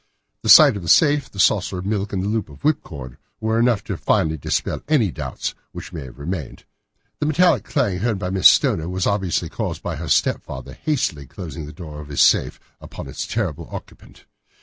The sight of the safe, the saucer of milk, and the loop of whipcord were enough to finally dispel any doubts which may have remained. The metallic clang heard by Miss Stoner was obviously caused by her stepfather hastily closing the door of his safe upon its terrible occupant.